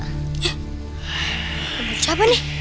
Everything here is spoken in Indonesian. ya keburu siapa nih